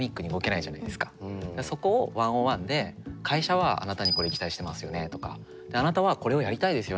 そこを１ｏｎ１で「会社はあなたにこれ期待してますよね」とか「あなたはこれをやりたいですよね。